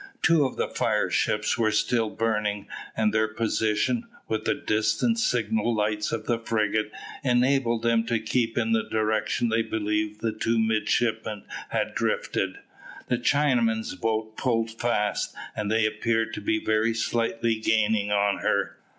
Two of the fire ships were still burning, and their position, with the distant signal lights of the frigate, enabled them to keep in the direction they believed the two midshipmen had drifted. The Chinamen's boat pulled fast, and they appeared to be very slightly gaining on her.